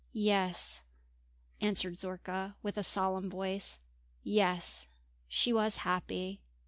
"Yes," answered Zorka, with a solemn voice. "Yes, she was happy.